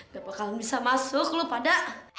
gak bakalan bisa masuk lu pada